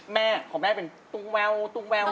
แม่ของแม่เป็นตุงแววตุงแวว